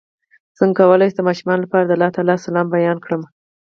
څنګه کولی شم د ماشومانو لپاره د الله تعالی سلام بیان کړم